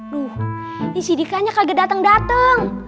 loh ini si dikanya kaget dateng dateng